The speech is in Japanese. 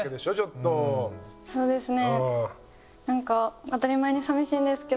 そうですね。